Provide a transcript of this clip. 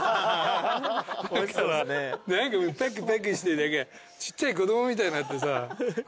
何かパクパクしてちっちゃい子供みたいになってさ。